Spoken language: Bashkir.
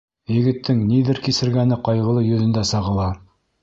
Егеттең ниҙәр кисергәне ҡайғылы йөҙөндә сағыла.